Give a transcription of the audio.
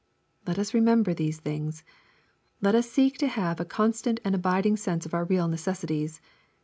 Let us remember these things. Let us seek to have a con stant and abiding sense of our real necessities.